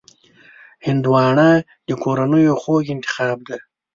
هندوانه د کورنیو خوږ انتخاب دی.